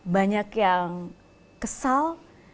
banyak yang kesal